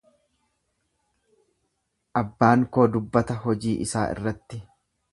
Abbaan koo dubbata hojii isaa irratti.